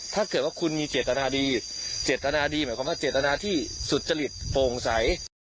ถ้าเกิดว่าคุณมีเจตนาดีเจตนาดีหมายความว่าเจตนาที่สุจริตโปร่งใส